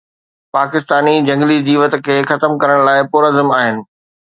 پاڪستاني جهنگلي جيوت کي ختم ڪرڻ لاءِ پرعزم آهن